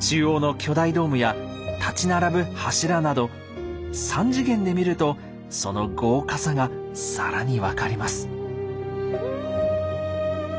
中央の巨大ドームや立ち並ぶ柱など３次元で見るとその豪華さが更に分かります。